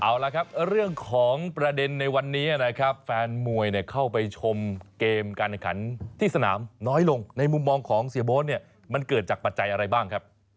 เอาละครับเรื่องของประเด็นในวันนี้นะครับแฟนมวยเข้าไปชมเกมการแข่งขันที่สนามน้อยลงในมุมมองของเสียโบ๊ทเนี่ยมันเกิดจากปัจจัยอะไรบ้างครับ